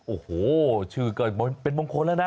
โอ้โหชื่อก็เป็นมงคลแล้วนะ